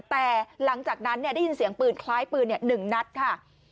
แต่หลังจากนั้นได้ยินเสียงปืนคล้ายปืน๑นัดค่ะ